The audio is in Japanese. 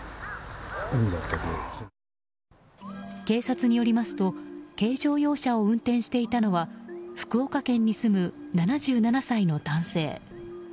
警察によりますと軽乗用車を運転していたのは福岡県に住む７７歳の男性。